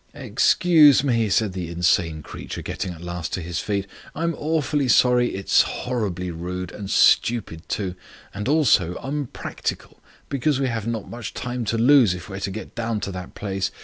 "Excuse me," said the insane creature, getting at last to his feet. "I am awfully sorry. It is horribly rude. And stupid, too. And also unpractical, because we have not much time to lose if we're to get down to that place.